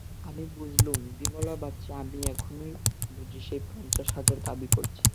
আমি বুঝলুম, বিমলা ভাবছে, আমি এখনই বুঝি সেই পঞ্চাশ হাজার দাবি করছি।